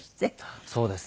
そうです。